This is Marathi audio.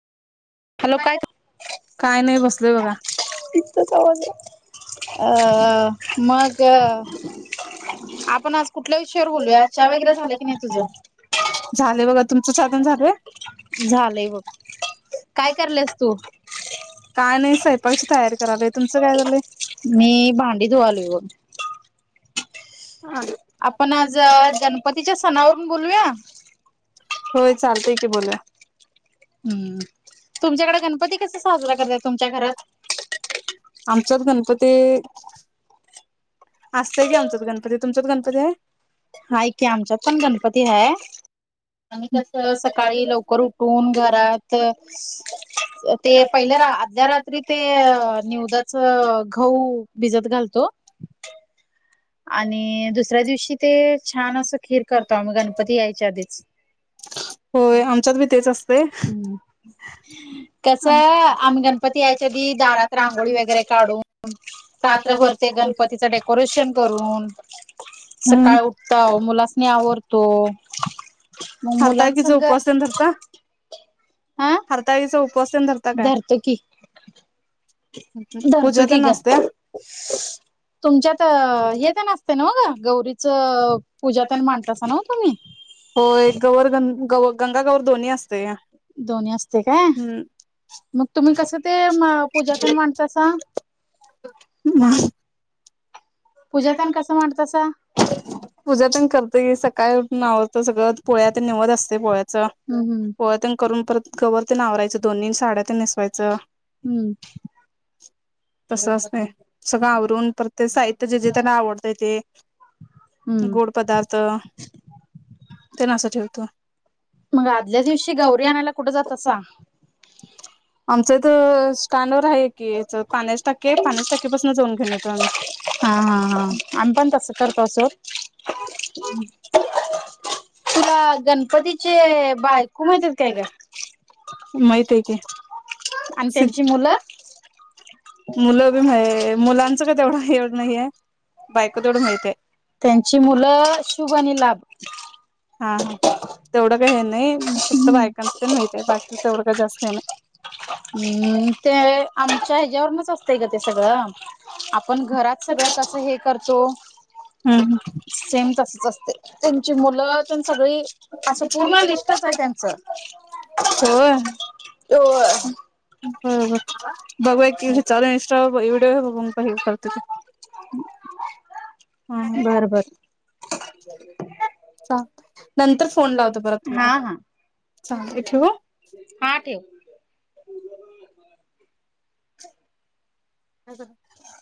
हॅलो काय. काय नाही बसलोय बघा अ मग आपण आज. कुठल्या विषयावर बोलूया [inaudible] वगैरे झाले की नाही तुझ. झाले बघा तुमचं चहा तेन झालंय झालंय बघ. काय करलेस तू. काय नाही स्वयंपाकची तयारी करालोय तुमचं काय झालंय मी भांडी [inaudible] बघ. [unintelligible] आपण आज गणपतीच्या सणावरून बोलूया. होय चालतेय की बोलया. हम्म तुमच्याकडे गणपती कसा साजरा करतात तुमच्या घरात. आमचा गणपती. असतय की आमच्यात गणपती तुमचात गणपती आहे. हाऐ की आमच्यात पण गणपती आहे. सकाळी लवकर उठून घरात. [inaudible] ते पहिल्या [inaudible] रात्री ते निवदाच हो. गहू भिजत घालतो आणि दुसऱ्या दिवशी ते छान असं खीर करतो आम्ही गणपती यायच्या आधीच. होय आमच्यात बी तेच असत. [inaudible] आम्ही गणपती यायच्याधी दारात रांगोळी वगैरे काढून. रात्र भरते गणपतीचं डेकोरेशन करून. सकाळ उठत मुलास नाही आवरतो. मग [inaudible] मुलांसंग उपवास धरता. हा हरताळीचं उपसवास धरता काय. पूजा धरतुकी तेन ग. असत्या तुमच्यात हे तर न असते ना ब ग गौरीच पूजा त्यां मांडत असताना तुम्ही. हो एक गवर ग ग गंगा गवर दोन्ही असते. दोन्ही असते का. हम्. पूजा तेन मांडतासा? [unintelligible] पूजा पण कसं मांडतासा. पूजा पण करतोय सकाळी उूटवून सगळं पोळ्या तर निवत असते पोळ्याच. हम् हम [unintelligible] हम्म..... तसं असते. सगळं आवरून प्रत्येक साहित्य जे जे त्यांना आवडतय ते. गोड हम्म पदार्थ [unintelligible] त्यां नां ठेवतो. मग, अरध्या आदल्या दिवशी गौरी आणायला कुठे जातासा? गौऱ्याां. आमचं तर.... स्टॅनवर आहे की, याच्यात. पाण्यास टाके, पाण्यास टाकेपासून जाऊन घेन येतो आम्ही. हा हा हा आम्ही पण तसं करतो सो. [unintelligible] तुला [unintelligible] गणपतीचे पाय बायको माहित आहेत काय ग? [unintelligible] माहित आहे की. आणि त्यांची मुलं? मुलं बी, मा मुलांचं का तेवढं एवढं नाहीये. बायक तेवढं माहित आहे. त्यांची मुलं, शुभ आणि लाभ. हा हा तेवढं का हे नाही, फक्त बायकांच माहित आहे, बाकीच तेवढं का जास्त हे नाही. हम्म ते आमच्या ह्याच्यावरूनच असतं ग ते सगळं. आपण घरात सगळं कस हे करतो. हम्म सेम तसच असते, तुमची मुलं सगळी अस पूर्ण लिस्टच आहे त्यांच. होय त [unintelligible] बरोबर बघू एक, चाल इंशटा [unintelligible] विडिओ बघुण पण काही करते ते. [inaudible] बर बर [inaudible] चांग नंतर फोन लावतो बरं हा तुम्हाला हा [inaudible] चालतय ठेवू. हा ठेव. [inaudible] [unintelligible]